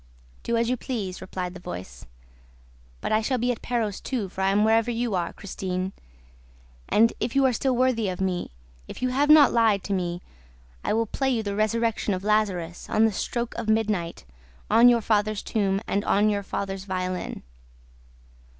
'Do as you please,' replied the voice, 'but I shall be at Perros too, for I am wherever you are, Christine; and, if you are still worthy of me, if you have not lied to me, I will play you The Resurrection of Lazarus, on the stroke of midnight, on your father's tomb and on your father's violin.'